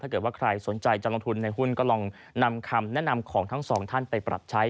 ถ้าเกิดว่าใครสนใจจะลงทุนในหุ้นก็ลองนำคำแนะนำของทั้งสองท่านไปปรับใช้